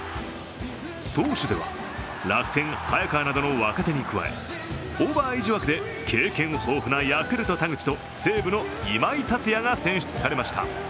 投手では楽天・早川などの若手に加えオーバーエイジ枠で経験豊富なヤクルト・田口と西武の今井達也が選出されました。